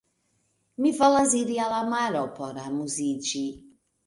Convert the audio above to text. Mi volas iri al la maro por amuziĝi.